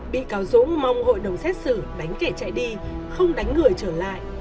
bị cáo dũng mong hội đồng xét xử đánh kẻ chạy đi không đánh người trở lại